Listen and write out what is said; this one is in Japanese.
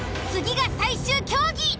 次が最終競技。